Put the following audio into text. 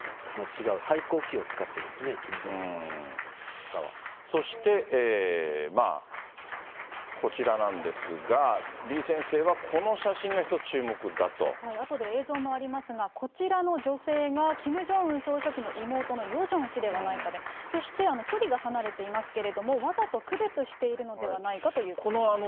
全然違う、そしてまあ、こちらなんですが、李先生はこの写真が一つ、あとで映像もありますが、こちらの女性がキム・ジョンウン総書記の妹のヨジョン氏ではないかで、そして、距離が離れていますけれども、わざと区別しているのではないかということですね。